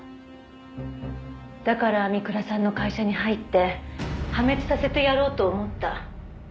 「だから三倉さんの会社に入って破滅させてやろうと思った」